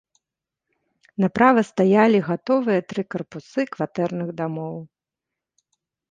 Направа стаялі гатовыя тры карпусы кватэрных дамоў.